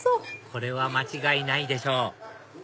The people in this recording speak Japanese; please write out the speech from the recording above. これは間違いないでしょう